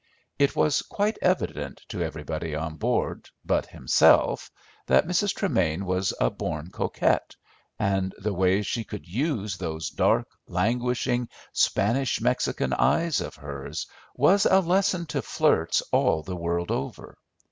It was quite evident to everybody on board but himself that Mrs. Tremain was a born coquette, and the way she could use those dark, languishing, Spanish Mexican eyes of hers was a lesson to flirts all the world over.